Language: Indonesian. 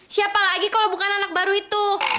siapa lagi kalau bukan anak baru itu